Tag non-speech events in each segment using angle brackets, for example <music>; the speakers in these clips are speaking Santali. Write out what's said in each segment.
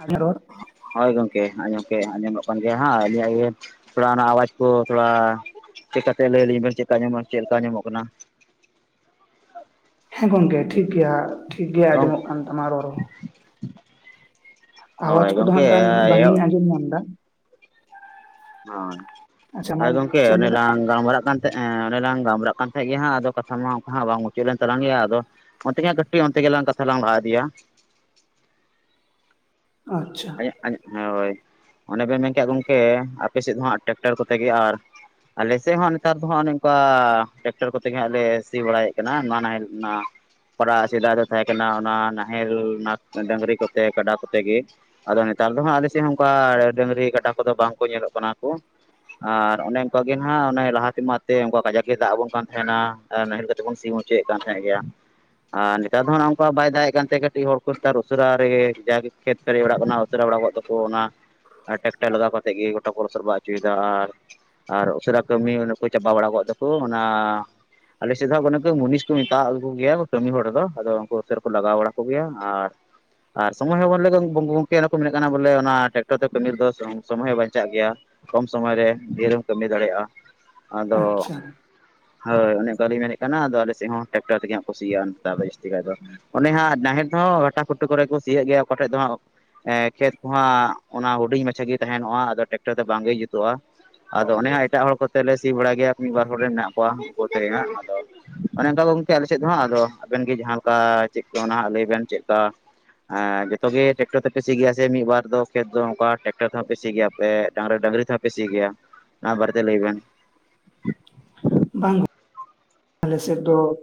ᱚᱞᱤᱧᱟᱜ ᱨᱚᱲ ᱦᱳᱭ ᱜᱚᱢᱠᱮ ᱟᱸ <unintelligible> ᱜᱚᱝᱠᱮ ᱟᱸᱡᱚᱢᱚᱜ ᱠᱟᱱ ᱜᱮᱭᱟ ᱦᱟᱸᱜ ᱟᱹᱞᱤᱧᱟᱜ ᱜᱮ ᱛᱷᱚᱲᱟ ᱚᱱᱟ ᱟᱣᱟᱡᱽ ᱠᱚ ᱛᱷᱚᱲᱟ ᱪᱮᱠᱟ ᱛᱮ ᱞᱟᱹᱭᱟ ᱞᱤᱧ ᱵᱮᱱ ᱪᱮᱫ ᱠᱟ ᱟᱸᱡᱢᱚᱜ ᱪᱮᱫ ᱞᱮᱠᱟ ᱟᱸᱡᱢᱚᱜ ᱠᱟᱱᱟ? ᱦᱮᱸ ᱜᱚᱝᱠᱮ ᱴᱷᱤᱠ ᱜᱮᱭᱟ ᱴᱷᱤᱠ ᱜᱮ ᱟᱸᱡᱚᱢᱚᱜ ᱠᱟᱱ ᱛᱟᱢᱟ ᱨᱚᱲ ᱦᱚᱸ ᱾ ᱟᱣᱟᱡᱽ ᱦᱳᱭ ᱠᱚᱫᱚ ᱜᱚᱢᱠᱮ ᱦᱟᱸᱜ ᱠᱷᱟᱱ ᱵᱟᱝ ᱮᱦᱚᱵ ᱤᱧ ᱟᱸᱡᱚᱢ ᱧᱟᱢ ᱫᱟ ᱾ ᱦᱳᱭ, ᱟᱪᱪᱷᱟ ᱢᱟ ᱦᱳᱭ ᱜᱚᱝᱠᱮ ᱪᱮᱫ ᱮᱢ ᱚᱱᱮ ᱞᱟᱹᱭᱫᱟ ᱞᱟᱝ ᱜᱟᱞᱢᱟᱨᱟᱜ ᱠᱟᱱ <unintelligible> ᱮᱸ ᱚᱱᱮ ᱞᱟᱝ ᱜᱟᱞᱢᱨᱟᱜ ᱠᱟᱱ ᱛᱟᱦᱮᱸᱜ ᱜᱮ ᱦᱟᱸᱜ ᱟᱫᱚ ᱠᱟᱛᱷᱟ ᱢᱟ ᱚᱱᱠᱟ ᱦᱟᱸᱜ ᱵᱟᱝ ᱢᱩᱪᱟᱹᱫ ᱞᱮᱱ ᱜᱮᱭᱟ ᱟᱫᱚ ᱚᱱᱛᱮ ᱜᱮ ᱦᱟᱸᱜ ᱠᱟᱹᱴᱤᱡ ᱚᱱᱛᱮ ᱜᱮᱞᱟᱝ ᱠᱟᱛᱷᱟ ᱞᱟᱝ ᱞᱟᱦᱟ ᱤᱫᱤᱭᱟ ᱾ ᱟᱪᱪᱷᱟ ᱾ ᱦᱳᱭ ᱚᱱᱮ ᱵᱮᱱ ᱢᱮᱱ ᱠᱮᱜ-ᱟ ᱜᱚᱝᱠᱮ ᱟᱯᱮ ᱥᱮᱫ ᱫᱚ ᱦᱟᱸᱜ ᱴᱮᱠᱴᱟᱨ ᱠᱚᱛᱮ ᱜᱮ ᱟᱨ ᱟᱞᱮᱥᱮᱫ ᱦᱚᱸ ᱱᱮᱛᱟᱨ ᱫᱚ ᱦᱟᱜ ᱱᱚᱝᱠᱟ ᱴᱮᱠᱴᱟᱨ ᱠᱚᱛᱮ ᱜᱮ ᱦᱟᱸᱜ ᱞᱮ ᱥᱤ ᱵᱟᱲᱟᱭᱮᱫ ᱠᱟᱱᱟ, ᱱᱚᱣᱟ ᱱᱟᱦᱮᱞ ᱚᱱᱟ ᱯᱟᱲᱟᱜ ᱥᱮᱫᱟᱭ ᱫᱚ ᱛᱟᱦᱮᱸ ᱠᱟᱱᱟ ᱚᱱᱟ ᱱᱟᱦᱮᱞ, ᱚᱱᱟ ᱰᱟᱹᱟᱝᱨᱤ ᱠᱚᱛᱮ, ᱠᱟᱰᱟ ᱠᱚᱛᱮ ᱜᱮ ᱾ ᱟᱫᱚ ᱱᱮᱛᱟᱨ ᱫᱚ ᱦᱟᱸᱜ ᱟᱞᱮ ᱥᱮᱫ ᱦᱚᱸ ᱚᱱᱠᱟ ᱰᱟᱹᱝᱨᱤ ᱠᱟᱰᱟ ᱠᱚᱫᱚ ᱵᱟᱝ ᱠᱚ ᱧᱮᱞᱚᱜ ᱠᱟᱱᱟ ᱠᱚ ᱾ ᱟᱨ ᱚᱱᱮ ᱚᱱᱠᱟ ᱜᱮ ᱱᱟᱸᱦᱜ ᱚᱱᱮ ᱞᱟᱦᱟ ᱛᱮᱢᱟ ᱮᱛᱮ ᱚᱱᱠᱟ ᱠᱟᱡᱟᱠ ᱜᱮ ᱫᱟᱜ ᱟᱵᱚᱱ ᱠᱟᱱ ᱛᱟᱦᱮᱱᱟ ᱾ ᱮᱸ ᱱᱟᱦᱮᱞ ᱠᱟᱛᱮ ᱵᱚᱱ ᱥᱤ ᱦᱚᱪᱚᱭᱮᱫ ᱠᱟᱱ ᱛᱟᱦᱮᱸᱜ ᱜᱮᱭᱟ ᱾ ᱟᱨ ᱱᱮᱛᱟᱨ ᱫᱚ ᱦᱟᱸᱜ ᱚᱱᱠᱟ ᱵᱟᱭ ᱫᱟᱜ ᱮᱫ ᱠᱟᱱᱛᱮ ᱠᱟᱹᱴᱤᱡ ᱦᱚᱲ ᱠᱚ ᱱᱮᱛᱟᱨ ᱩᱥᱟᱹᱨᱟ ᱨᱮᱜᱮ ᱡᱟ ᱜᱮ ᱠᱷᱮᱛ ᱥᱟᱹᱨᱤ ᱵᱟᱲᱟᱜ ᱠᱟᱱᱟ ᱩᱥᱟᱹᱨᱟ ᱵᱟᱲᱟ ᱠᱚᱜ ᱛᱟᱠᱚ ᱚᱱᱟ ᱟᱨ ᱴᱮᱠᱴᱟᱨ ᱞᱟᱜᱟᱣ ᱠᱟ ᱠᱟᱛᱮᱫ ᱜᱮ ᱜᱚᱴᱟ ᱠᱚ ᱞᱚᱥᱚᱫ ᱵᱟᱲᱟ ᱦᱚᱪᱚᱭᱮᱫᱟ ᱟᱨ ᱟᱨ ᱩᱥᱟᱹᱨᱟ ᱠᱟᱹᱢᱤ ᱚᱱᱮ ᱠᱚ ᱪᱟᱵᱟ ᱵᱟᱲᱟ ᱠᱚᱜ ᱛᱟᱠᱚ ᱚᱱᱟ ᱟᱞᱮ ᱥᱮᱫ ᱫᱚ ᱱᱩᱠᱩ ᱢᱩᱱᱤᱥ ᱠᱚ ᱢᱮᱛ ᱠᱚ ᱜᱮᱭᱟ ᱠᱟᱹᱢᱤ ᱦᱚᱲ ᱫᱚ, ᱟᱫᱚ ᱩᱱᱠᱩ ᱩᱥᱟᱹᱨᱟ ᱠᱚ ᱞᱟᱜᱟᱣ ᱵᱟᱲᱟ ᱠᱚᱜᱮᱭᱟ ᱟᱨ ᱟᱨ ᱥᱚᱢᱚᱭ ᱦᱚᱸ <unintelligible> ᱜᱩ ᱜᱚᱝᱠᱮ ᱚᱱᱟ ᱠᱚ ᱢᱮᱱᱮᱜ ᱠᱟᱱᱟ ᱵᱚᱞᱮ ᱚᱱᱟ ᱴᱮᱠᱴᱚᱨ ᱛᱮ ᱠᱟᱹᱢᱤ ᱨᱮᱫᱚ <unintelligible> ᱥᱚᱢᱚᱭ ᱦᱚᱸ ᱵᱟᱧᱪᱟᱜ ᱜᱮᱭᱟ ᱾ ᱠᱚᱢ ᱥᱚᱢᱚᱭ ᱨᱮ ᱰᱷᱤᱨᱮᱢ ᱠᱟᱹᱢᱤ ᱫᱟᱲᱮᱜᱼᱟ ᱾ ᱟᱫᱚ, ᱟᱪᱪᱷᱟ ᱦᱳᱭ ᱚᱱᱮ ᱚᱱᱠᱟᱞᱤᱧ ᱢᱮᱱᱮᱫ ᱠᱟᱱᱟ ᱟᱫᱚ ᱟᱞᱮ ᱥᱮᱫ ᱦᱚᱸ ᱴᱠᱴᱟᱨ ᱛᱮᱜᱮ ᱦᱟᱸᱜ ᱠᱩ ᱥᱤᱭᱟ ᱾ ᱡᱟᱹᱥᱛᱤ ᱠᱟᱭ ᱫᱚ ᱚᱱᱮ ᱦᱟᱸᱜ ᱱᱟᱦᱮᱞ ᱛᱦᱚᱸ ᱜᱷᱟᱴᱟ ᱠᱷᱩᱴᱟᱹ ᱠᱚᱨᱮ ᱠᱚ ᱥᱤᱭᱳ ᱜᱮᱭᱟ ᱚᱠᱟ ᱴᱷᱮᱡ ᱫᱚ ᱦᱟᱸᱜ ᱠᱷᱮᱛ ᱠᱚᱦᱚᱸ ᱚᱱᱟ ᱦᱩᱰᱤᱧ ᱢᱟᱪᱷᱟ ᱜᱮ ᱛᱟᱦᱮᱱᱚᱜᱼᱟ ᱟᱫᱚ ᱴᱠᱴᱚᱨ ᱫᱚ ᱵᱟᱝᱜᱮ ᱡᱩᱛᱩᱜᱼᱟ᱾ ᱟᱫᱚ ᱚᱱᱮ ᱦᱚᱸ ᱮᱴᱟᱜ ᱦᱚᱲ ᱠᱚᱛᱮᱞ ᱞᱮ ᱥᱤ ᱵᱟᱲ ᱜᱮᱭᱟ ᱢᱤᱫ ᱵᱟᱨ ᱦᱚᱲ ᱨᱮᱱ ᱢᱮᱱᱟᱜ ᱠᱚᱣᱟ ᱩᱱᱠᱩ ᱛᱮᱜᱮ ᱦᱟᱸᱜ ᱚᱱᱮ ᱚᱱᱠᱟ ᱜᱚᱝᱠᱮ ᱟᱞᱮ ᱥᱮᱫ ᱫᱚ ᱦᱜᱫᱚ ᱟᱵᱮᱱ ᱜᱮ ᱡᱟᱦᱟᱸ ᱞᱮᱠᱟ ᱪᱮᱫ ᱚᱱᱟ ᱦ ᱞᱟᱹᱭ ᱵᱮᱱ ᱪᱮᱫ ᱠᱟ ᱦᱮᱸ ᱡᱚᱛᱚᱜ ᱜᱮ ᱴᱠᱴᱚᱨ ᱛᱮᱯᱮ ᱥᱤ ᱜᱮᱭᱟ ᱥᱮ ᱢᱤᱫ ᱵᱟᱨ ᱫᱚ ᱠᱷᱮᱛ ᱫᱚ ᱠᱟ ᱴᱨᱟᱠᱴᱚᱨ ᱛᱮᱦᱚᱸ ᱯᱮ ᱥᱤ ᱜᱮᱭᱟᱯᱮ ᱰᱟᱝᱨᱟ ᱰᱟᱝᱝᱨᱤ ᱛᱮᱦᱚᱸ ᱯᱮ ᱥᱤ ᱜᱮᱭᱟ ᱱᱟ ᱵᱟᱨᱛᱮ ᱞᱟ. ᱭ ᱵᱤᱱ ᱵᱟᱝ ᱟᱞᱮ ᱥᱮᱫ ᱫᱚ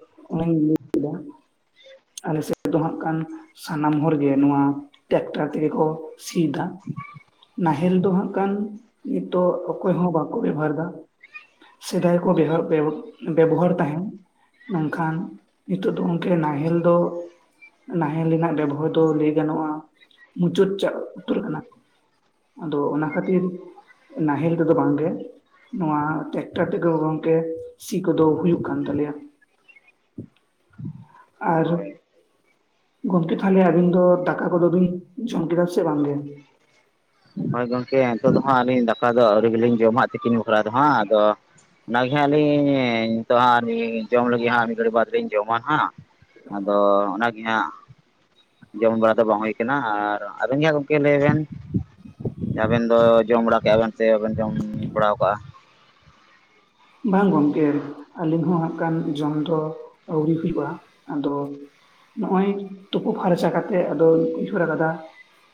<inaudible> ᱟᱞᱮ ᱥᱮᱫ ᱫᱚ ᱦᱟᱸᱜ ᱠᱷᱟᱱ ᱥᱟᱱᱟᱢ ᱦᱚᱲᱜᱮ ᱱᱚᱣᱟ ᱴᱨᱟᱠᱴᱟᱨ ᱛᱮᱜᱮ ᱠᱚ ᱥᱤ ᱫᱟ ᱱᱟᱦᱮᱞ ᱫᱚ ᱦᱟᱸᱜ ᱠᱟᱱ ᱱᱤᱛᱚᱜ ᱚᱠᱚᱭ ᱦᱚᱸ ᱵᱟᱠᱚ ᱵᱮᱵᱚᱦᱟᱨ ᱫᱟ ᱥᱮᱫᱟᱭ ᱠᱚ ᱵᱮ ᱵᱮᱵᱚᱦᱟᱨ ᱛᱟᱦᱮᱱ ᱢᱮᱱᱠᱷᱟᱱ ᱱᱤᱛᱚᱜ ᱫᱚ ᱜᱮᱞᱮ ᱱᱟᱦᱮᱞ ᱫᱚ ᱱᱟᱦᱮᱞ ᱨᱮᱱᱟᱜ ᱵᱮᱵᱚᱦᱟᱨ ᱫᱚ ᱞᱟᱹᱭ ᱜᱟᱱᱚᱜᱼᱟ ᱢᱩᱪᱟᱹᱫ ᱪᱟᱜ ᱩᱛᱟᱹᱨ ᱠᱟᱱᱟ ᱟᱫᱚ ᱚᱱᱟ ᱠᱷᱟᱹᱛᱤᱨ ᱱᱟᱦᱮᱞ ᱛᱮᱫᱚ ᱵᱟᱝᱜᱮ ᱱᱚᱣᱟ ᱴᱮᱠᱴᱟᱨ ᱛᱮᱜᱮ ᱜᱚᱢᱠᱮ ᱥᱤ ᱠᱚᱫᱚ ᱦᱩᱭᱩᱜ ᱠᱟᱱ ᱛᱟᱞᱮᱭᱟ ᱟᱨ ᱦᱳᱭ ᱜᱚᱢᱠᱮ ᱛᱟᱦᱚᱞᱮ ᱟᱵᱤᱱ ᱫᱚ ᱫᱟᱠᱟ ᱠᱚᱫᱚᱚᱵᱤᱱ ᱡᱚᱢ ᱠᱮᱫᱟ ᱥᱮ ᱵᱟᱝ ᱜᱮ ᱦᱳᱭ ᱜᱚᱝᱠᱮ ᱱᱤᱛᱚᱜ ᱫᱚ ᱦᱟᱸᱜ ᱟᱹᱞᱤᱧ ᱫᱟᱠᱟ ᱫᱚ ᱟᱹᱰᱤ ᱜᱮᱞᱤᱧ ᱡᱚᱢᱟᱜ ᱛᱤᱠᱤᱱ ᱵᱟᱠᱷᱨᱟ ᱫᱚᱦᱟᱸᱜ ᱟᱫᱚ ᱚᱱᱟᱜᱮ ᱟᱹᱞᱤᱤᱧ ᱱᱤᱛᱚᱜ ᱦᱟᱸᱜ ᱡᱚᱢ ᱞᱟᱹᱜᱤᱫ ᱦᱟᱸᱜ ᱢᱤᱫ ᱜᱷᱟᱹᱲᱤᱡ ᱵᱟᱫᱽᱞᱤᱤᱧ ᱡᱚᱢᱟ ᱦᱟᱸᱜ ᱟᱫᱚ ᱚᱱᱟᱜᱮ ᱦᱟᱸᱜ ᱡᱚᱢ ᱵᱟᱲᱟ ᱫᱚ ᱵᱟᱝ ᱦᱩᱭ ᱠᱟᱱᱟ ᱟᱨ ᱟᱵᱮᱱ ᱜᱮᱟᱸ ᱜᱚᱢᱠᱮ ᱞᱟᱹᱭ ᱵᱮᱱ ᱟᱵᱮᱱ ᱫᱚ ᱡᱚᱢ ᱵᱟᱲᱟ ᱠᱟᱜᱼᱟ ᱵᱮᱱ ᱥᱮ ᱵᱟᱵᱮᱱ ᱡᱚᱢ ᱵᱟᱲᱟ ᱠᱟᱜᱼᱟ ᱵᱟᱝ ᱜᱚᱢᱠᱮ ᱟᱹᱞᱤᱧ ᱦᱚᱸ ᱦᱟᱸᱜ ᱠᱷᱟᱱ ᱡᱚᱢ ᱫᱚ ᱟᱹᱣᱨᱤ ᱦᱩᱭᱩᱜᱼᱟ ᱟᱫᱚ ᱱᱚᱜ ᱚᱚᱭ ᱛᱩᱯᱩ ᱯᱷᱟᱨᱪᱟ ᱠᱟᱛᱮᱜ ᱟᱫᱚᱧ ᱩᱭᱦᱟᱹᱨ ᱟᱠᱟᱫᱟ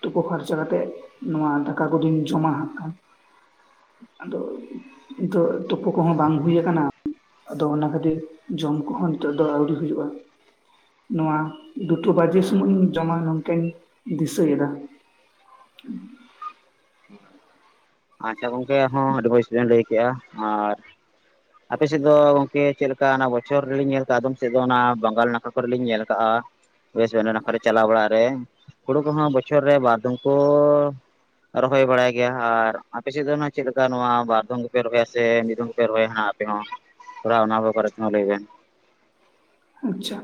ᱛᱩᱯᱟᱹ ᱯᱷᱟᱨᱪᱟ ᱠᱟᱛᱮᱜ ᱱᱚᱣᱟ ᱫᱟᱠᱟ ᱠᱚᱫᱚᱧ ᱡᱚᱢᱟᱟᱜ ᱠᱷᱟᱱ ᱟᱫᱚ ᱱᱤᱛᱚᱜ ᱛᱳᱯᱳ ᱠᱚᱦᱚᱸ ᱵᱟᱝ ᱦᱩᱭᱩ ᱟᱠᱟᱱᱟ ᱟᱫᱚ ᱚᱱᱟ ᱠᱷᱟᱹᱛᱤᱨ ᱡᱚᱢ ᱠᱚᱦᱚᱸ ᱱᱤᱛᱚᱜ ᱫᱚ ᱟᱹᱣᱨᱤ ᱦᱩᱭᱩᱜᱼᱟ᱾ ᱱᱚᱣᱟ ᱫᱩᱴᱚ ᱵᱟᱡᱮ ᱥᱩᱢᱚᱭ ᱤᱧ ᱡᱚᱢᱟ ᱱᱚᱝᱠᱟᱧ ᱫᱤᱥᱟᱹᱭᱮᱫᱟ ᱟᱪᱪᱷᱟ ᱜᱚᱝᱠᱮ ᱦᱚᱸ ᱟᱹᱰᱤ ᱵᱡᱽᱵᱤᱧ ᱞᱟᱹᱭ ᱠᱮᱫᱮᱜᱼᱟ ᱟᱨ ᱟᱯᱮᱦ ᱥᱮᱫ ᱫᱚ ᱜᱚᱢᱠᱮ ᱪᱮᱫ ᱞᱮᱠᱟ ᱪᱠᱟ ᱚᱱᱟ ᱵᱚᱪᱷᱚᱨ ᱨᱮᱞᱤᱧ ᱧᱮᱞ ᱠᱟᱜᱼᱟ ᱟᱫᱚᱢ ᱥᱮᱫ ᱫᱚ ᱚᱱᱟ ᱵᱟᱝᱜᱟᱞ ᱱᱟᱲ ᱠᱚᱨᱮ ᱞᱤᱧ ᱧᱮᱞ ᱠᱟᱜᱼᱟ ᱚᱭᱮᱥᱴ ᱵᱮᱝᱜᱚᱞ ᱠᱚᱟᱨᱮ ᱪᱟᱞᱟᱣ ᱵᱟᱲᱟᱜ ᱨᱮ ᱦᱩᱲᱩ ᱠᱚᱦᱚᱸ ᱵᱚᱪᱷᱚᱨ ᱨᱮ ᱵᱟᱨᱫᱚᱢ ᱠᱚ ᱨᱚᱦᱚᱭ ᱵᱟᱲᱟᱭ ᱜᱮᱭᱟ ᱟᱨ ᱟᱯᱮ ᱥᱮᱫ ᱫᱚ ᱪᱮᱫ ᱞᱮᱠᱟ ᱱᱚᱣᱟ ᱵᱟᱨ ᱫᱚᱢ ᱜᱮᱯᱮ ᱨᱚᱦᱚᱭᱟ ᱥᱮ ᱢᱤᱫ ᱫᱚᱢ ᱯᱮ ᱨᱚᱦᱚᱭᱟᱱᱟᱜ ᱟᱯᱮ ᱦᱚᱸ ᱛᱷᱚᱲᱟ ᱚᱱᱟ ᱠᱚ ᱠᱚᱟᱨᱚᱛᱱᱚ ᱞᱟᱹᱭᱵᱮᱱ ᱟᱪᱪᱷᱟ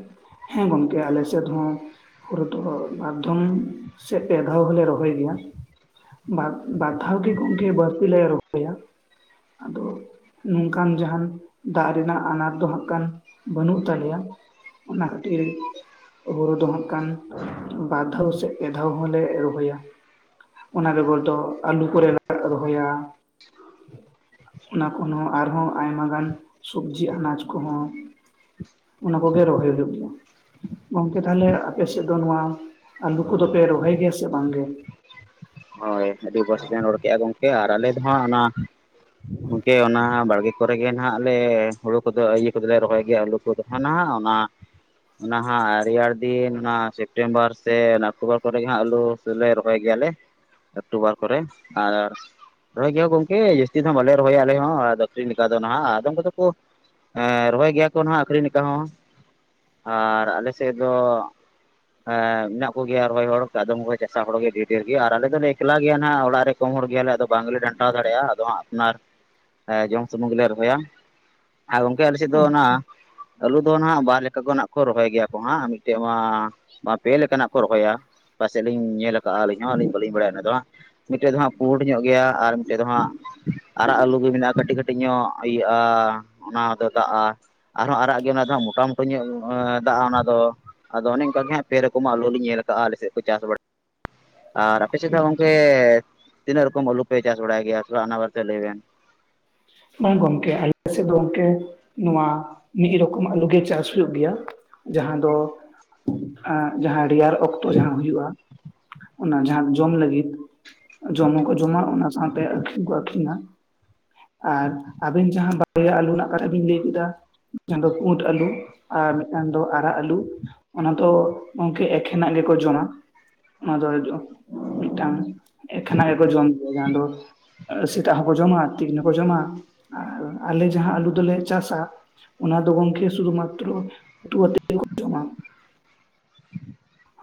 ᱦᱮᱸ ᱜᱚᱝᱠᱮ ᱟᱞᱮ ᱥᱮᱫ ᱦᱚᱸ ᱦᱳᱲᱩ ᱫᱚ ᱵᱟᱨ ᱫᱷᱚᱢ ᱥᱮ ᱯᱮ ᱫᱷᱟᱣ ᱦᱚᱞᱮ ᱨᱚᱦᱚᱭ ᱜᱮᱭᱟ ᱵᱟᱨ ᱫᱷᱟᱣ ᱜᱮ ᱜᱚᱢᱠᱮ ᱵᱟᱹᱲᱛᱤ ᱞᱮ ᱨᱚᱦᱚᱭᱟ ᱟᱫᱚ ᱱᱚᱝᱠᱟᱱ ᱡᱟᱦᱟᱱ ᱫᱟᱜ ᱨᱮᱱᱟᱜ ᱟᱱᱟᱴ ᱫᱚ ᱦᱟᱸᱜ ᱠᱟᱱ ᱵᱟᱹᱱᱩᱜ ᱛᱟᱞᱮᱭᱟ ᱚᱱᱟ ᱠᱷᱟᱛᱤᱨ ᱦᱩᱲᱩ ᱫᱚ ᱦᱟᱸᱜ ᱠᱷᱟᱱ ᱵᱟᱨ ᱫᱷᱟᱣ ᱥᱮ ᱯᱮ ᱫᱷᱟᱣ ᱦᱚᱞᱮ ᱨᱚᱦᱚᱭᱟ ᱚᱱᱟ ᱨᱮ ᱵᱚᱞ ᱫᱚ ᱟᱹᱞᱩ ᱠᱚᱨᱮ ᱞᱮ ᱨᱚᱦᱚᱭᱟ ᱚᱱᱟ ᱠᱷᱚᱱ ᱦᱚᱸ ᱟᱨᱦᱚᱸ ᱟᱭᱢᱟ ᱜᱟᱱ ᱥᱚᱵᱡᱤ ᱟᱱᱟᱡ ᱠᱚᱦᱚᱸ ᱚᱱᱟ ᱠᱚᱜᱮ ᱨᱚᱦᱚᱭ ᱦᱩᱭᱩᱜ ᱜᱮᱭᱟ᱾ ᱜᱚᱝᱠᱮ ᱛᱟᱦᱚᱞᱮ ᱟᱯᱮᱥᱮᱫ ᱫᱚ ᱱᱚᱣᱟ ᱟᱞᱩ ᱠᱚᱫᱚᱯᱮ ᱨᱚᱦᱚᱭ ᱜᱮᱭᱟ ᱥᱮ ᱵᱟᱝ ᱜᱮ ᱦᱳᱭ ᱟᱹᱰᱤ ᱵᱮᱥ ᱵᱮᱱ ᱨᱚᱲ ᱠᱮᱫᱼᱟ ᱜᱚᱝᱠᱮ ᱟᱨ ᱟᱞᱮ ᱫᱚᱦᱟᱸᱜ ᱚᱱᱟ ᱜᱚᱢᱠᱮ ᱚᱱᱟ ᱵᱟᱲᱜᱮ ᱠᱚᱨᱮ ᱱᱟᱦᱱᱟᱜ ᱟᱞᱮ ᱦᱩᱲᱩ ᱠᱚᱫᱚ ᱤᱭᱟᱹ ᱠᱚᱫᱚ ᱞᱮ ᱨᱚᱦᱚᱭ ᱜᱮᱭᱟ ᱟᱹᱞᱩ ᱠᱚᱫᱚ ᱱᱟᱦᱟᱜ ᱚᱱᱟ ᱚᱱᱟ ᱦᱟᱸᱜ ᱨᱮᱭᱟᱲ ᱫᱤᱱ ᱚᱱᱟ ᱥᱮᱯᱴᱮᱢᱵᱟᱨ ᱥᱮ ᱚᱠᱴᱳᱵᱚᱨ ᱠᱚᱨᱮ ᱡᱟᱦᱟ ᱟᱹᱞᱩ ᱥᱮᱞᱮ ᱨᱚᱦᱚᱭ ᱜᱮᱭᱟᱞᱮ, ᱚᱠᱴᱳᱵᱟᱨ ᱠᱚᱨᱮ ᱟᱨ, ᱨᱚᱦᱚᱭ ᱜᱮᱭᱟ ᱜᱚᱝᱠᱮ ᱡᱟᱹᱥᱛᱤ ᱫᱚ ᱦᱟᱜ ᱵᱟᱞᱮ ᱨᱚᱦᱚᱭᱟ ᱟᱞᱮ ᱦᱚᱸ ᱟᱠᱷᱤᱨᱤᱧ ᱞᱮᱠᱟ ᱫᱚ ᱱᱟᱦᱟᱜ ᱟᱫᱚᱢ ᱠᱚᱫᱚ ᱠᱚ, ᱮ ᱨᱚᱦᱚᱭ ᱜᱮᱭᱟ ᱠᱚ ᱦᱟᱸᱜ ᱟᱹᱠᱷᱨᱤᱧ ᱞᱮᱠᱟ ᱦᱚᱸᱚᱸ ᱟᱨ ᱟᱞᱮ ᱥᱮᱜ ᱫᱚ, ᱮᱜ ᱢᱮᱱᱟᱜ ᱠᱚ ᱜᱮᱭᱟ ᱨᱚᱦᱚᱭ ᱦᱚᱲ ᱟᱫᱚᱢ ᱠᱚ ᱪᱟᱥᱟ ᱦᱚᱲᱜᱮ ᱰᱤ ᱰᱷᱮᱨ ᱜᱮ ᱟᱨ ᱟᱞᱮ ᱫᱚᱞᱮ ᱮᱠᱞᱟ ᱜᱮᱭᱟ ᱦᱟᱜ ᱚᱲᱟᱜ ᱨᱮ ᱠᱚᱢ ᱦᱚᱲ ᱜᱮᱭᱟᱞᱮ ᱟᱫᱚ ᱵᱟᱝ ᱜᱮ ᱰᱟᱱᱴᱟᱣ ᱫᱟᱲᱮᱼᱟ ᱟᱫᱚ ᱦᱟᱸᱜ ᱱᱟᱲ ᱮ ᱡᱚᱢ ᱥᱩᱱᱩᱢ ᱜᱮᱞᱮ ᱨᱚᱦᱚᱭᱟ ᱟᱨ ᱜᱚᱝᱠᱮ ᱟᱞᱮ ᱥᱮᱫ ᱫᱚ ᱚᱱᱟ, ᱟᱪᱪᱷᱟ ᱟᱹᱞᱩ ᱫᱚ ᱦᱟᱸᱜ ᱵᱟᱨ ᱞᱮᱠᱟ ᱱᱟᱜ ᱠᱚ ᱨᱚᱦᱚᱭ ᱜᱮᱭᱟ ᱠᱚ ᱦᱟᱸᱜ ᱢᱤᱫᱴᱮᱡ ᱢᱟ ᱵᱟ ᱯᱮ ᱞᱮᱠᱟᱱᱟᱜ ᱠᱚ ᱨᱚᱦᱚᱭᱟ᱾ ᱯᱟᱥᱮᱜ ᱞᱤᱧ ᱧᱮᱞ ᱠᱟᱜᱼᱟ ᱟᱹᱞᱤᱧ ᱦᱚᱸᱞᱤᱧ ᱵᱟᱹᱞᱤᱧ ᱵᱟᱲᱟᱭᱟ ᱚᱱᱟ ᱫᱚ ᱦᱟᱸᱜ ᱢᱤᱫᱴᱮᱡ ᱫᱚ ᱦᱟᱸᱜ ᱯᱩᱰ ᱧᱚᱜ ᱜᱮᱭᱟ ᱟᱨ ᱢᱤᱫᱴᱮᱡ ᱫᱚ ᱦᱟᱸᱜ, ᱟᱨᱟᱜ ᱟᱹᱞᱩ ᱜᱮ ᱢᱮᱱᱟᱜᱼᱟ ᱠᱟᱹᱴᱤᱡ ᱠᱟᱹᱴᱤᱡ ᱧᱚᱜ ᱤᱭᱟᱹᱜᱼᱟ ᱚᱱᱟ ᱦᱚᱸᱫᱚ ᱫᱟᱜᱼᱟ᱾ ᱟᱨᱦᱚᱸ ᱟᱨᱟᱜ ᱜᱮ ᱚᱱᱟ ᱫᱚ ᱦᱟᱸᱜ ᱢᱚᱴᱟ ᱢᱚᱴᱟ ᱧᱮᱞ ᱮᱻᱦ ᱫᱟ-ᱟ ᱚᱱᱟ ᱫᱚ᱾ ᱟᱫᱚ ᱚᱱᱮ ᱚᱱᱠᱟᱜᱮ ᱦᱟᱸᱜ ᱯᱮ ᱨᱳᱠᱚᱢᱟ ᱟᱞᱚ ᱞᱤᱧ ᱧᱮᱞ ᱠᱟᱜᱼᱟ ᱟᱞᱮ ᱥᱮᱫ ᱠᱚ ᱪᱟᱥ ᱵᱟᱲᱟ ᱟᱨ ᱯᱮ ᱥᱮᱫ ᱫᱚ ᱜᱚᱝᱠᱮ ᱛᱤᱱᱟᱹ ᱨᱚᱠᱚᱢ ᱟᱞᱩ ᱯᱮ ᱪᱟᱥ ᱵᱟᱲᱟᱭ ᱜᱮᱭᱟ ᱛᱷᱚᱲᱟ ᱚᱱᱟ ᱵᱟᱨᱛᱮ ᱞᱟᱹᱭ ᱵᱮᱱ᱾ ᱚᱝ ᱜᱚᱝᱠᱮ <inaudible> ᱥᱮᱫ ᱫᱚ ᱜᱚᱝᱠᱮ ᱱᱚᱣᱟ ᱢᱤᱫ ᱨᱚᱠᱚᱢ-ᱟᱜ ᱟᱞᱩ ᱜᱮ ᱪᱟᱥ ᱦᱩᱭᱩᱜ ᱜᱮᱭᱟ᱾ ᱡᱟᱦᱟᱸ ᱫᱚ ᱮᱜ ᱡᱟᱦᱟᱸ ᱨᱮᱭᱟᱲ ᱚᱠ ᱛᱚ ᱡᱟᱦᱟᱸ ᱦᱩᱭᱩᱜᱼᱟ ᱚᱱᱟ ᱡᱟᱦᱟᱸ ᱡᱚᱢ ᱞᱟᱹᱜᱤᱫ᱾ ᱡᱚᱢ ᱦᱚᱸᱠᱚ ᱡᱚᱢᱟ ᱚᱱᱟ ᱥᱟᱶᱛᱮ ᱟᱠᱷᱨᱤᱧ ᱠᱚ ᱟᱠᱷᱨᱤᱧ-ᱟ᱾ ᱟᱨ ᱟᱵᱮᱱ ᱡᱟᱦᱟᱸ <inaudible> ᱟᱹᱞᱩ ᱨᱮᱱᱟᱜ ᱠᱟᱛᱷᱟ ᱵᱤᱱ ᱞᱟᱹᱭ ᱠᱮᱫᱟ ᱡᱟᱦᱟᱸ ᱫᱚ ᱠᱩᱰ ᱟᱞᱩ᱾ ᱟᱨ ᱢᱤᱫᱴᱟᱝ ᱫᱚ ᱟᱨᱟᱜ ᱟᱹᱞᱩ ᱚᱱᱟ ᱫᱚ ᱜᱚᱝᱠᱮ ᱮᱠᱷᱮᱱᱟᱜ ᱜᱮᱠᱚ ᱡᱚᱢ-ᱟ᱾ ᱚᱱᱟ ᱫᱚ ᱡᱚ ᱢᱤᱜᱴᱟᱝ ᱮᱠᱷᱮᱱᱟᱜ ᱜᱮᱠᱚ ᱡᱚᱢ <inaudible> ᱡᱟᱦᱟᱸ ᱫᱚ, ᱥᱮᱛᱟᱜ ᱦᱚᱸᱠᱚ ᱡᱚᱢᱟ ᱛᱤᱠᱤᱱ ᱦᱚᱸᱠᱚ ᱡᱚᱢᱟ ᱟᱨ ᱟᱞᱮ ᱡᱟᱦᱟᱸ ᱟᱹᱞᱩ ᱫᱚᱞᱮ ᱪᱟᱥᱟ, ᱚᱱᱟ ᱫᱚ ᱜᱚᱝᱠᱮ ᱥᱩᱫᱩ ᱢᱟᱛᱨᱳ ᱩᱛᱩ <inaudible>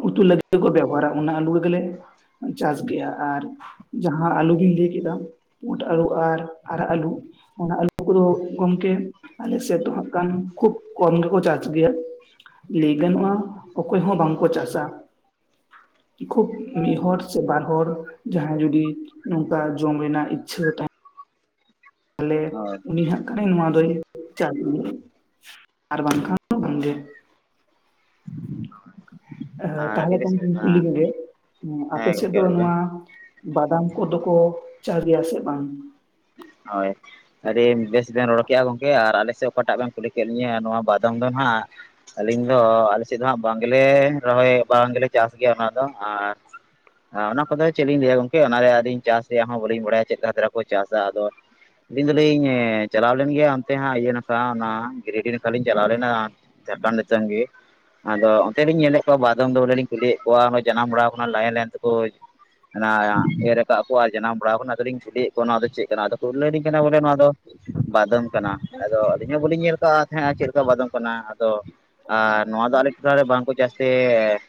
ᱩᱛᱩ <inaudible> ᱜᱮᱠᱚ ᱵᱮᱵᱚᱦᱟᱨᱟ ᱚᱱᱟ ᱟᱹᱞᱩ ᱨᱮᱜᱮᱞᱮ ᱪᱟᱥ ᱜᱮᱭᱟ ᱟᱨ, ᱡᱟᱦᱟᱸ ᱟᱹᱞᱩ ᱜᱤᱧ ᱞᱟᱹᱭ ᱠᱮᱫᱟ ᱯᱩᱸᱰ ᱟᱹᱞᱩ ᱟᱨ ᱟᱨᱟᱜ ᱟᱹᱞᱩ, ᱚᱱᱟ ᱟᱹᱞᱩ ᱠᱚᱫᱚ ᱜᱚᱝᱠᱮ ᱟᱞᱮ ᱥᱮᱫ ᱫᱚ ᱦᱟᱸᱜ ᱠᱷᱟᱱ ᱠᱷᱩᱵ ᱠᱚᱢ ᱜᱮᱠᱚ ᱪᱟᱥ ᱜᱮᱭᱟ᱾ ᱞᱟᱹᱭ ᱜᱟᱱᱚᱜᱼᱟ ᱚᱠᱚᱭ ᱦᱚᱸ ᱵᱟᱝ ᱠᱚ ᱪᱟᱥ-ᱟ ᱠᱷᱩᱵ ᱢᱤᱜ ᱦᱚᱲ ᱥᱮ ᱵᱟᱨ ᱦᱚᱲ ᱡᱟᱦᱟᱸᱭ ᱡᱩᱫᱤ ᱱᱚᱝᱠᱟ ᱡᱚᱢ ᱨᱮᱱᱟᱜ ᱤᱪᱷᱟᱹ ᱛᱟᱦᱮᱸ ᱛᱟᱦᱞᱮ ᱦᱳᱭ ᱩᱱᱤ ᱦᱟᱸᱜ ᱠᱷᱟᱭ ᱱᱚᱣᱟ ᱫᱚᱭ <inaudible> ᱟᱨ ᱵᱟᱝᱠᱷᱟᱱ <inaudible> ᱵᱟᱝᱜᱮ᱾ ᱮ ᱦᱮᱸ ᱟᱨ ᱟᱹᱰᱤ ᱵᱮᱥ ᱛᱟᱦᱞᱮ <inaudible> ᱟᱯᱮ ᱦᱮᱸ ᱥᱮᱫ ᱜᱚᱝᱠᱮ ᱫᱚ ᱨᱚᱲ ᱵᱮᱱ ᱱᱚᱣᱟ, ᱵᱟᱫᱟᱢ ᱠᱚᱫᱚ ᱠᱚ ᱪᱟᱥ ᱜᱮᱭᱟ ᱥᱮ ᱵᱟᱝ? ᱦᱟᱭ, ᱟᱹᱰᱤ ᱵᱮᱥ ᱵᱮᱱ ᱨᱚᱲ ᱠᱮᱜᱼᱟ ᱜᱚᱝᱠᱮ ᱟᱨ ᱟᱞᱮ ᱥᱮᱜ ᱚᱠᱟᱴᱟᱜ ᱵᱮᱱ ᱠᱩᱞᱤ ᱠᱮᱜ ᱞᱤᱧᱟᱹ ᱱᱚᱣᱟ ᱵᱟᱫᱚᱢ ᱫᱚ ᱦᱟᱸᱜ, ᱟᱹᱞᱤᱧ ᱫᱚ ᱟᱞᱮ ᱥᱮᱜ ᱫᱚ ᱦᱟᱸᱜ ᱵᱟᱝᱜᱞᱮ ᱨᱚᱦᱚᱭ ᱵᱟᱝ ᱜᱮᱞᱮ ᱪᱟᱥ ᱜᱮᱭᱟ ᱚᱱᱟ ᱫᱚ ᱟᱨ, ᱚᱱᱟ ᱠᱚᱫᱚ ᱪᱮᱫ ᱞᱤᱧ ᱞᱟᱹᱭᱟ ᱜᱚᱝᱠᱮ ᱚᱱᱟᱨᱮ ᱟᱹᱫᱚ ᱪᱟᱥ ᱨᱮᱭᱟᱜ ᱦᱚᱸ ᱵᱟᱹᱞᱤᱧ ᱵᱟᱲᱟᱭᱟ ᱪᱮᱫ ᱠᱟᱠᱚ ᱪᱟᱥ-ᱟ ᱟᱫᱚ, ᱟᱹᱞᱤᱧ ᱫᱚᱞᱤᱧ ᱮ ᱪᱟᱞᱟᱣ ᱞᱮᱱ ᱜᱮᱭᱟ ᱚᱱᱛᱮ ᱦᱟᱸᱜ ᱤᱭᱟᱹ ᱱᱟᱠᱷᱟ ᱚᱱᱟ ᱜᱤᱨᱤᱰᱤ ᱱᱟᱠᱷᱟ ᱞᱤᱧ ᱪᱟᱞᱟᱣ ᱞᱮᱱᱟ᱾ ᱪᱟᱛᱟᱱ ᱫᱤᱥᱚᱢ ᱜᱤ, ᱟᱫᱚ ᱚᱱᱛᱮ ᱞᱤᱧ ᱧᱮᱞᱮᱜ ᱠᱚᱣᱟ ᱵᱟᱫᱚᱢ ᱫᱚ ᱵᱚᱞᱮ ᱞᱤᱧ ᱠᱩᱞᱤᱭᱮᱫ ᱠᱚᱣᱟ ᱡᱟᱱᱟᱢ ᱵᱟᱲᱟ ᱠᱟᱱᱟ ᱞᱟᱭᱮᱱ ᱞᱟᱭᱮᱱ ᱛᱮᱠᱚ ᱦᱟᱱᱟ ᱮᱨ ᱟᱠᱟᱜ ᱠᱚ ᱟᱨ ᱡᱟᱱᱟᱢ ᱵᱟᱲᱟᱣ ᱟᱠᱟᱱᱟ ᱟᱫᱚᱞᱤᱧ ᱠᱩᱞᱤᱭᱮᱜ ᱚᱱᱟ ᱫᱚ ᱪᱮᱜ ᱠᱟᱱᱟ ᱟᱫᱚ ᱠᱚ ᱞᱟᱹᱭ ᱟᱞᱤᱧ ᱠᱟᱱᱟ ᱵᱚᱞᱮ ᱱᱚᱣᱟ ᱫᱚ ᱵᱟᱫᱚᱢ ᱠᱟᱱᱟ ᱟᱫᱚ ᱟᱹᱞᱤᱧ ᱦᱚᱸ ᱵᱟᱹᱞᱤᱧ ᱧᱮᱞ ᱠᱟᱜ-ᱟ ᱛᱟᱦᱮᱸᱱᱟ ᱪᱮᱜ ᱞᱮᱠᱟ ᱵᱟᱫᱚᱢ ᱠᱟᱱᱟ ᱟᱫᱚ, ᱟᱨ ᱱᱚᱣᱟ ᱫᱚ ᱟᱞᱮ ᱴᱚᱴᱷᱟᱨᱮ ᱵᱟᱝᱠᱚ ᱪᱟᱥᱛᱮ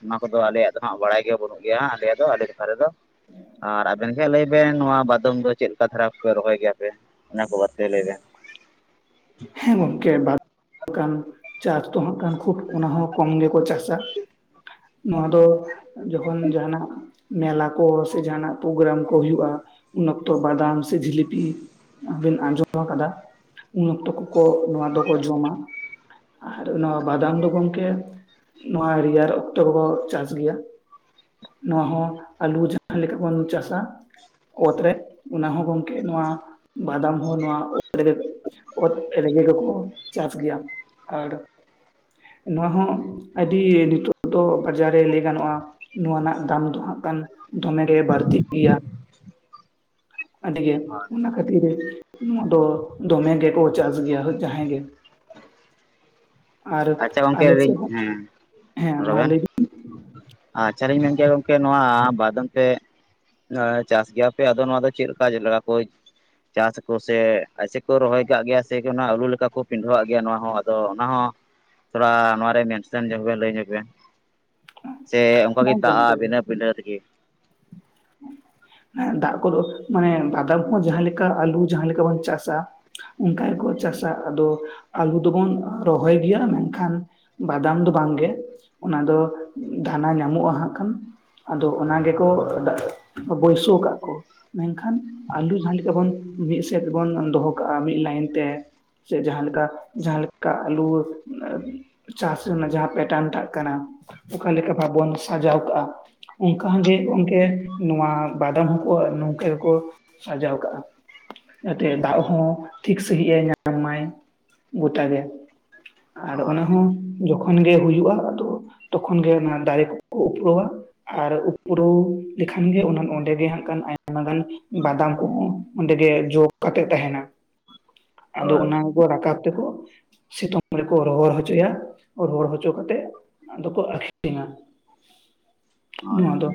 ᱱᱚᱣᱟ ᱠᱚᱫᱚ ᱟᱞᱮᱭᱟᱜ ᱫᱚ ᱦᱟᱸᱜ ᱵᱟᱲᱟᱭ ᱜᱮᱭᱟ ᱵᱟᱹᱱᱩᱜ ᱜᱮᱭᱟ ᱦᱟᱸᱜ ᱟᱞᱮ ᱫᱚ ᱟᱞᱮ ᱫᱚ, ᱫᱷᱟᱨᱮ ᱫᱚ ᱟᱨ ᱟᱵᱮᱱ ᱜᱮ ᱞᱟᱹᱭ ᱵᱮᱱ ᱱᱚᱣᱟ ᱵᱟᱫᱚᱢ ᱫᱚ ᱪᱮᱫ ᱞᱮᱠᱟ ᱫᱷᱟᱨᱟ ᱠᱚᱯᱮ ᱨᱚᱦᱚᱭ ᱜᱮᱭᱟᱯᱮ ᱚᱱᱟ ᱠᱚ ᱵᱟᱨᱮ ᱛᱮ ᱞᱟᱹᱭ ᱵᱮᱱ᱾ ᱦᱮᱸ ᱜᱚᱝᱠᱮ <inaudible> ᱪᱟᱥ ᱫᱚ ᱦᱟᱜ ᱠᱷᱩᱵ ᱚᱱᱟ ᱦᱚᱸ ᱠᱚᱢ ᱜᱮᱠᱚ ᱪᱟᱥ-ᱟ᱾ ᱱᱚᱣᱟ ᱫᱚ ᱡᱚᱠᱷᱚᱱ ᱡᱟᱦᱟᱱᱟᱜ ᱢᱮᱞᱟ ᱠᱚ ᱥᱮ ᱡᱟᱦᱱᱟᱜ ᱯᱨᱳᱜᱨᱟᱢ ᱠᱚ ᱦᱩᱭᱩᱜ-ᱟ ᱩᱱ ᱚᱠᱛᱚ ᱵᱟᱫᱟᱢ ᱥᱮ ᱡᱷᱤᱞᱤᱯᱤ ᱵᱤᱱ ᱟᱸᱡᱚᱢ ᱟᱠᱟᱫᱟ ᱩᱱ ᱚᱠᱛᱚ ᱠᱚ ᱱᱚᱣᱟ ᱫᱚᱠᱚ ᱡᱚᱢᱟ ᱟᱨ ᱱᱚᱣᱟ ᱵᱟᱫᱟᱢ ᱜᱚᱝᱠᱮ ᱱᱚᱣᱟ ᱨᱮᱭᱟᱲ ᱚᱠᱛᱚ ᱠᱚᱠᱚ ᱪᱟᱥ ᱜᱮᱭᱟ ᱱᱚᱣᱟ ᱦᱚᱸ ᱟᱹᱞᱩ ᱡᱟᱦᱟᱸ ᱞᱮᱠᱟ ᱵᱚᱱ ᱪᱟᱥᱟ ᱚᱛ ᱨᱮ ᱚᱱᱟ ᱦᱚᱸ ᱜᱚᱝᱠᱮ ᱱᱚᱣᱟ ᱵᱟᱫᱟᱢ ᱦᱚᱸ ᱱᱚᱣᱟ ᱚᱛ ᱨᱮᱜᱮ ᱚᱛ ᱨᱮᱸᱜᱮ ᱠᱚᱠᱚ ᱪᱟᱥ ᱜᱮᱭᱟ ᱟᱨ ᱱᱚᱣᱟ ᱦᱚᱸ ᱟᱹᱰᱤ ᱱᱤᱛᱚᱜ ᱫᱚ ᱵᱟᱡᱟᱨ ᱨᱮ ᱞᱟᱹᱭ ᱜᱟᱱᱚᱜ-ᱟ ᱱᱚᱣᱟ ᱨᱮᱱᱟᱜ ᱫᱟᱢ ᱫᱚᱦᱟᱸᱜ ᱠᱷᱟᱱ ᱫᱚᱢᱮᱜᱮ ᱵᱟᱹᱲᱛᱤ ᱜᱮᱭᱟ ᱟᱹᱰᱤᱜᱮ ᱚᱱᱟ ᱠᱷᱟᱹᱛᱤᱨ ᱱᱚᱣᱟ ᱫᱚ ᱫᱚᱢᱮ ᱜᱮᱠᱚ ᱪᱟᱥ ᱜᱮᱭᱟ ᱡᱟᱦᱟᱸᱭ ᱜᱮ ᱟᱨ ᱟᱪᱪᱷᱟ ᱜᱚᱝᱠᱮ ᱟᱞᱮ ᱞᱤᱧ ᱥᱮᱫ ᱦᱚᱸ ᱦᱮᱸ ᱦᱮᱸ ᱢᱟ ᱞᱟᱹᱭ ᱵᱤᱱ? ᱟ ᱪᱟᱤᱧ ᱢᱮᱱ ᱠᱮᱭᱟ ᱜᱚᱝᱠᱮ ᱱᱚᱣᱟ ᱵᱟᱫᱚᱢ ᱛᱮ ᱪᱟᱥ ᱜᱮᱭᱟᱯᱮ ᱟᱫᱚ ᱱᱚᱣᱟ ᱫᱚ ᱪᱮᱫ ᱞᱮᱠᱟ ᱡᱮᱞᱮᱠᱟ ᱠᱚ ᱪᱟᱥ ᱠᱚ ᱥᱮ ᱟᱥᱮ ᱨᱚᱦᱚᱭ ᱠᱟᱜ ᱜᱮᱭᱟ ᱥᱮ ᱚᱱᱟ ᱟᱹᱞᱩ ᱠᱚ ᱯᱤᱰᱷᱟᱹᱣᱟᱜ ᱜᱮᱭᱟ ᱱᱚᱣᱟ ᱦᱚᱸ ᱟᱫᱚ ᱚᱱᱟ ᱦᱚᱸ ᱛᱷᱚᱲᱟ ᱱᱚᱮ ᱢᱮᱱᱥᱮᱱ ᱧᱚᱜ ᱵᱮᱮᱱ ᱞᱟᱹᱭ ᱧᱚᱜ ᱵᱮᱱ? ᱥᱮ ᱚᱱᱠᱟ ᱜᱮ ᱵᱟᱝ ᱫᱟᱜᱜ-ᱟ ᱜᱚᱢᱠᱮ ᱵᱷᱤᱱᱟᱹ ᱯᱤᱴᱷᱟᱹ ᱛᱮᱜᱮ? ᱦᱮᱸ ᱫᱟᱜ ᱠᱚᱫᱚ ᱢᱟᱱᱮ ᱵᱟᱫᱟᱢ ᱦᱚᱸ ᱡᱟᱦᱟᱸ ᱞᱮᱠᱟ ᱟᱞᱩ ᱡᱟᱦᱟᱸ ᱞᱮᱠᱟ ᱵᱚᱱ ᱪᱟᱥᱟ ᱚᱱᱠᱟ ᱜᱮᱠᱚ ᱪᱟᱥᱟ ᱟᱫᱚ ᱟᱹᱞᱩ ᱫᱚᱵᱚᱱ ᱨᱚᱦᱚᱭ ᱜᱮᱭᱟ ᱢᱮᱱᱠᱷᱟᱱ ᱵᱟᱫᱟᱢ ᱫᱚ ᱵᱟᱝᱜᱮ ᱚᱱᱟ ᱫᱚ ᱫᱟᱱᱟ ᱧᱟᱢᱚᱜ-ᱟ ᱦᱟᱸᱜ ᱠᱷᱟᱱ ᱟᱫᱚ ᱚᱱᱟ ᱜᱮᱠᱚ ᱵᱟᱹᱭᱥᱟᱹᱣ ᱠᱟᱜᱟ ᱠᱚ ᱢᱮᱱᱠᱷᱟᱱ ᱟᱞᱩ ᱡᱷᱟᱱ ᱞᱮᱠᱟᱵᱚᱱ ᱢᱤᱫ ᱥᱮᱫ ᱵᱚᱱ ᱫᱚᱦᱚ ᱠᱟᱜ-ᱟ ᱢᱤᱫ ᱞᱟᱭᱤᱱ ᱛᱮ ᱥᱮ ᱡᱠᱟ ᱞᱮᱠᱟ ᱡᱟᱦᱟ ᱞᱮᱠᱟ ᱟᱞᱩ ᱪᱟᱥ ᱨᱮᱱᱟᱜ ᱡᱟᱦᱟᱸ ᱯᱮᱴᱟᱱ ᱴᱟᱜ ᱠᱟᱱᱟ ᱚᱠᱟᱮᱠᱟ ᱵᱷᱟ ᱵᱚᱱ ᱥᱟᱡᱟᱣ ᱠᱟᱜ-ᱟ ᱚᱱᱠᱟᱜ ᱜᱮ ᱜᱚᱝᱠᱮ ᱱᱚᱣᱟ ᱵᱟᱫᱟᱢ ᱦᱚᱸᱠᱚ ᱱᱚᱝᱠᱟ ᱜᱮᱠᱚ ᱥᱟᱡᱟᱣ ᱠᱟᱜ-ᱟ ᱡᱟᱛᱮ ᱫᱟᱜ ᱦᱚᱸ ᱴᱷᱤᱠ ᱥᱟᱺᱦᱤᱡ ᱮ ᱧᱟᱢ ᱢᱟᱭ ᱜᱚᱴᱮ ᱟᱨ ᱦᱳᱭ ᱚᱱᱟᱦᱚ ᱡᱚᱠᱷᱚᱱ ᱜᱮ ᱦᱩᱭᱩᱜ-ᱟ ᱛᱚᱠᱷᱚᱱ ᱜᱮ ᱚᱱᱟ ᱫᱟᱨᱮ ᱠᱚ ᱩᱯᱨᱟᱹᱣᱟ ᱟᱨ ᱩᱯᱨᱟᱣ ᱞᱮᱠᱷᱟᱱ ᱜᱮ ᱚᱱᱟ ᱚᱸᱰᱮᱜᱮ ᱦᱟᱱ ᱠᱷᱟᱱ ᱟᱭᱢᱟ ᱜᱟᱱ ᱵᱟᱱᱟᱢ ᱠᱚᱦᱚᱸ ᱚᱸᱰᱮ ᱜᱮ ᱡᱚ ᱠᱟᱛᱮᱜ ᱛᱟᱦᱮᱱᱟ ᱟᱫᱚ ᱦᱳᱭ ᱚᱱᱟ ᱠᱚ ᱨᱟᱠᱟᱵ ᱛᱮᱠᱚ ᱥᱤᱛᱩᱝ ᱨᱮᱠᱚ ᱨᱚᱦᱚᱲ ᱦᱚᱪᱚᱭᱟ ᱨᱚᱦᱚᱲ ᱦᱚᱪᱚ ᱠᱟᱛᱮᱫ ᱟᱫᱚᱠᱚ ᱟᱠᱷᱨᱤᱧᱟ ᱦᱳᱭ ᱱᱚᱣᱟ ᱫᱚ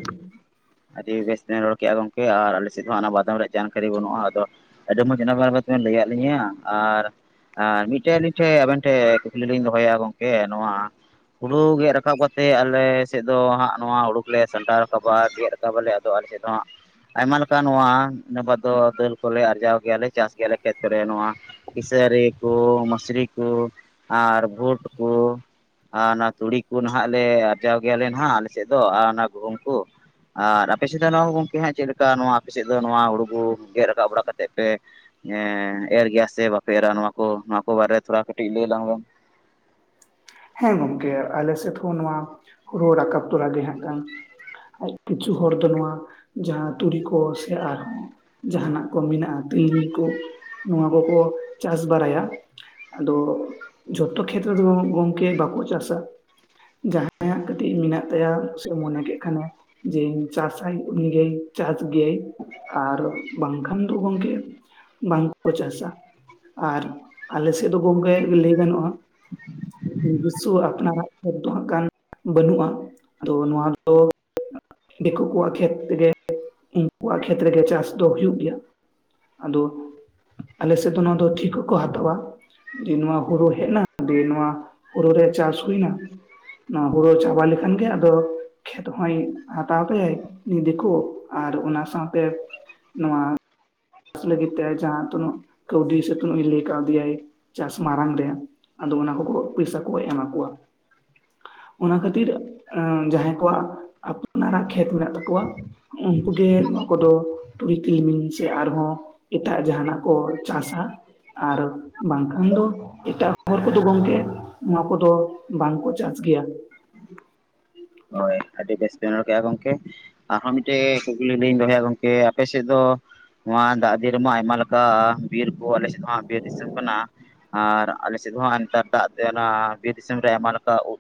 ᱟᱹᱰᱤ ᱵᱮᱥ ᱛᱮᱢ ᱨᱚᱲ ᱠᱮᱫ-ᱟ ᱜᱚᱝᱠᱮ ᱟᱨ ᱟᱞᱮ ᱥᱮᱫ ᱦᱚᱸ ᱚᱱᱟ ᱵᱟᱫᱢ ᱨᱮᱭᱟᱜ ᱡᱟᱱᱠᱟᱨᱤ ᱵᱟᱹᱱᱩᱜ-ᱟ ᱟᱫᱚ ᱟᱚᱢ ᱢᱚᱡᱽ ᱮᱱᱟ ᱵᱟᱨ ᱞᱟᱹᱭᱟᱫ ᱞᱤᱧᱟᱹ ᱟᱨ ᱟᱨ ᱢᱤᱫᱴᱮᱡ ᱟᱹᱞᱤᱧ ᱴᱷᱮᱡ ᱟᱵᱮᱱ ᱴᱷᱮᱱ ᱠᱩᱠᱞᱤ ᱞᱤᱧ ᱫᱚᱦᱚᱭᱟ ᱜᱚᱝᱠᱮ ᱱᱚᱣᱟ ᱦᱩᱲᱩ ᱜᱮᱫ ᱨᱟᱠᱟᱵ ᱠᱟᱛᱮᱜ ᱟᱞ ᱥᱮᱫ ᱫᱚ ᱦᱟᱸᱜ ᱱᱚᱣᱟ ᱦᱩᱲᱩ ᱠᱚᱞᱮ ᱥᱟᱞᱴᱟᱣ ᱨᱟᱠᱟᱵᱟ ᱜᱮᱜ ᱨᱟᱠᱟᱵ ᱟᱞᱮ ᱟᱫᱚ ᱟᱞᱮᱥᱮᱫ ᱫᱚᱦᱟᱜ ᱟᱭᱢᱟ ᱞᱮᱠᱟ ᱱᱚᱣᱟᱵᱟᱨ ᱱᱤᱭᱟ ᱵᱟᱝ ᱫᱚ ᱫᱟᱹᱞ ᱠᱚᱞᱮ ᱟᱨᱡᱟᱣ ᱜᱮᱭᱟᱞᱮ ᱪᱟᱥ ᱜᱮᱭᱟᱞᱮ ᱠᱷᱮᱛ ᱠᱚᱨᱮ ᱱᱚᱣᱟ ᱠᱥᱟᱹᱨᱤ ᱠᱚ ᱢᱩᱥᱨᱤ ᱠᱚ ᱟᱨ ᱵᱷᱩᱴ ᱠᱚ ᱟᱨ ᱚᱱᱟ ᱛᱩᱲᱤ ᱠᱚ ᱱᱟᱦᱟᱜ ᱞᱮ ᱟᱨᱡᱟᱣ ᱜᱮᱭᱟᱞᱮ ᱱᱟᱱᱟᱜ ᱟᱞᱮᱥᱮᱫ ᱫᱚ ᱟᱨ ᱚᱱᱟ ᱜᱩᱦᱩᱢ ᱠᱚ ᱟᱨ ᱟᱯᱮ ᱥᱮᱫ ᱫᱚ ᱱᱚᱣᱟ ᱦᱚᱸ ᱜᱚᱝᱠᱮ ᱦᱟᱜ ᱪᱮᱫ ᱞᱮᱠᱟ ᱱᱚᱣᱟ ᱟᱯᱮ ᱥᱮᱫ ᱫᱚ ᱱᱚᱣᱟ ᱦᱩᱲᱩᱵᱩ ᱜᱮᱫ ᱨᱟᱠᱟᱵ ᱵᱟᱲᱟ ᱠᱟ ᱠᱟᱛᱮᱮᱫ ᱯᱮ ᱮ ᱮᱨ ᱜᱮᱭᱟ ᱥᱮ ᱵᱟᱯᱮ ᱮᱨᱟ ᱱᱚᱣᱟ ᱠᱚ ᱱᱚᱣᱟ ᱠᱚ ᱵᱟᱨᱮ ᱛᱷᱚᱲᱟ ᱠᱟᱹᱴᱤᱡ ᱞᱟᱹᱭ ᱟᱞᱟᱝ ᱵᱮᱱ? ᱦᱮᱸ ᱜᱚᱝᱠᱮ ᱟᱞᱮ ᱥᱮᱫ ᱦᱚᱸ ᱱᱚᱣᱟ ᱦᱩᱲᱩ ᱨᱟᱠᱟᱵ ᱛᱚᱨᱮ ᱜᱮ ᱦᱟᱸᱜᱠᱷᱟᱱ ᱟᱨ ᱠᱤᱪᱷᱩ ᱦᱚᱲ ᱫᱚ ᱱᱚᱣᱟ ᱡᱟᱦᱟᱸ ᱛᱩᱲᱤ ᱠᱚ ᱥᱮ ᱟᱨᱦᱚᱸ ᱡᱟᱦᱟᱸᱱᱟᱜ ᱠᱚ ᱢᱮᱱᱟᱜᱼᱟ ᱛᱤᱞᱢᱤᱧ ᱠᱚ ᱱᱚᱣᱟ ᱠᱚᱠᱚ ᱪᱟᱥ ᱵᱟᱲᱟᱭᱟ᱾ ᱟᱫᱚ ᱡᱷᱚᱛᱚ ᱠᱷᱮᱛ ᱨᱮ ᱫᱚ ᱜᱚᱝᱠᱮ ᱵᱟᱠᱚ ᱪᱟᱥᱟ᱾ ᱡᱟᱦᱟᱸᱭᱟᱜ ᱠᱟᱹᱴᱤᱡ ᱢᱮᱱᱟᱜ ᱛᱟᱭᱟ ᱥᱮ ᱢᱚᱱᱮ ᱠᱮᱜ ᱠᱷᱟᱱᱮ ᱡᱮᱧ ᱪᱟᱥᱟᱧ ᱩᱱᱤ ᱜᱮᱭ ᱪᱟᱥ ᱜᱮᱭᱟᱭ ᱟᱨ ᱵᱟᱝᱠᱷᱟᱱ ᱫᱚ ᱜᱚᱝᱠᱮ ᱵᱟᱝ ᱠᱚ ᱪᱟᱥᱟ᱾ ᱟᱨ ᱟᱞᱮ ᱥᱮᱫ ᱫᱚ ᱜᱚᱝᱠᱮ ᱞᱟᱹᱭ ᱜᱟᱱᱚᱜᱼᱟ, ᱜᱩᱥᱥᱚ ᱟᱯᱱᱟᱨᱟᱜ ᱫᱚ <inaudible> ᱠᱷᱟᱱ ᱵᱟᱹᱱᱩᱜᱼᱟ ᱟᱫᱚ ᱱᱚᱣᱟ ᱫᱚ ᱫᱤᱠᱩ ᱠᱚᱣᱟᱜ ᱠᱷᱮᱛ ᱛᱮᱜᱮ, ᱤᱝᱠᱩᱣᱟᱜ ᱠᱷᱮᱛ ᱨᱮᱜᱮ ᱪᱟᱥ ᱫᱚ ᱦᱩᱭᱩᱜ ᱜᱮᱭᱟ᱾ ᱟᱫᱚ ᱟᱞᱮᱥᱮᱫ ᱫᱚ ᱱᱚᱣᱟ ᱫᱚ ᱴᱷᱤᱠᱟᱹ ᱠᱚ ᱦᱟᱛᱟᱣᱟ, ᱡᱮ ᱱᱚᱣᱟ ᱦᱳᱲᱳ ᱦᱮᱡᱱᱟ ᱫᱤᱭᱮ ᱱᱚᱣᱟ ᱦᱳᱲᱳ ᱨᱮ ᱪᱟᱥ ᱦᱩᱭᱱᱟ, ᱱᱚᱭᱟ ᱦᱳᱲᱳ ᱪᱟᱵᱟ ᱞᱮᱠᱷᱟᱱ ᱜᱮ ᱟᱫᱚ ᱠᱷᱮᱛ ᱦᱚᱸᱭ ᱦᱟᱛᱟᱣ ᱛᱟᱭᱟᱭ ᱩᱱᱤ ᱫᱤᱠᱩ ᱟᱨ ᱚᱱᱟ ᱥᱟᱶᱛᱮ ᱱᱚᱣᱟ ᱞᱟᱹᱜᱤᱫ ᱛᱮ ᱡᱟᱦᱟᱸ ᱛᱤᱱᱟᱹᱜ ᱠᱟᱹᱣᱰᱤ ᱥᱮ ᱛᱤᱱᱟᱹᱜ ᱞᱟᱹᱭ ᱠᱟᱣᱫᱮᱭᱟᱭ, ᱪᱟᱥ ᱢᱟᱲᱟᱝ ᱨᱮ, ᱟᱫᱚ ᱚᱱᱟ ᱠᱚᱠᱚ ᱯᱚᱭᱥᱟ ᱠᱚ ᱮᱢᱟ ᱠᱚᱣᱟ᱾ ᱚᱱᱟ ᱠᱷᱟᱹᱛᱤᱨ ᱡᱟᱦᱟᱸᱭ ᱠᱚᱣᱟᱜ ᱟᱯᱱᱟᱨᱟᱜ ᱠᱷᱮᱛ ᱢᱮᱱᱟᱜ ᱛᱟᱠᱚᱣᱟ, ᱩᱝᱠᱩ ᱜᱮ ᱱᱚᱣᱟ ᱠᱚᱫᱚ ᱛᱩᱲᱤ ᱛᱤᱞᱢᱤᱧ ᱥᱮ ᱟᱨ ᱦᱚᱸ ᱮᱴᱟᱜ ᱡᱟᱦᱟᱸᱱᱟᱜ ᱠᱚ ᱪᱟᱥᱟ, ᱟᱨ ᱵᱟᱝᱠᱷᱟᱱ ᱫᱚ ᱮᱴᱟᱜ ᱦᱚᱲ ᱠᱚᱫᱚ ᱜᱚᱝᱠᱮ ᱱᱚᱣᱟ ᱠᱚᱫᱚ ᱵᱟᱝ ᱠᱚ ᱪᱟᱥ ᱜᱮᱣᱟ᱾ ᱦᱳᱭ ᱟᱹᱰᱤ ᱵᱮᱥ ᱵᱮᱱ ᱨᱚᱲ ᱠᱮᱜᱼᱟ ᱜᱚᱝᱠᱮ᱾ ᱟᱨᱦᱚᱸ ᱢᱤᱫᱴᱮᱡ ᱠᱩᱠᱞᱤ ᱞᱤᱧ ᱫᱚᱦᱚᱭᱟ ᱜᱚᱝᱠᱮ ᱟᱯᱮ ᱥᱮᱫ ᱫᱚ ᱱᱚᱣᱟ ᱫᱟᱜ ᱫᱤᱱ ᱨᱮᱢᱟ ᱟᱭᱢᱟ ᱞᱮᱠᱟ, ᱵᱤᱨ ᱠᱚ ᱟᱞᱮ ᱥᱮᱫ ᱫᱚ ᱦᱟᱸᱜ ᱵᱤᱨ ᱫᱤᱥᱚᱢ ᱠᱟᱱᱟ᱾ ᱟᱨ ᱟᱞᱮ ᱥᱮᱫ ᱫᱚ ᱦᱟᱸᱜ ᱱᱮᱛᱟᱨ ᱫᱟᱜ ᱛᱮ ᱚᱱᱟ ᱵᱤᱨ ᱫᱤᱥᱚᱢ ᱨᱮ ᱟᱭᱢᱟ ᱞᱮᱠᱟ ᱩᱫ,